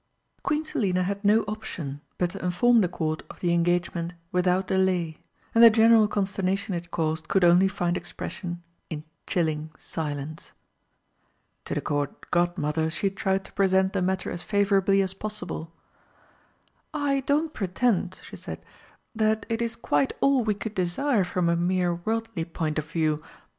Queen Selina had no option but to inform the Court of the engagement without delay, and the general consternation it caused could only find expression in chilling silence. To the Court Godmother she tried to present the matter as favourably as possible. "I don't pretend," she said, "that it is quite all we could desire from a mere worldly point of view.